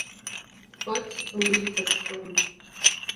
But, a leak has sprung.